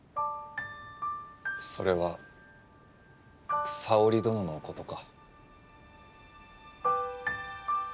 それは沙織殿のことか？